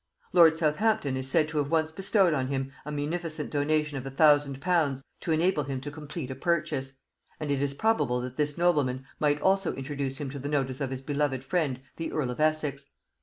Lord Southampton is said to have once bestowed on him a munificent donation of a thousand pounds to enable him to complete a purchase; and it is probable that this nobleman might also introduce him to the notice of his beloved friend the earl of Essex.